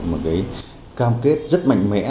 một cam kết rất mạnh mẽ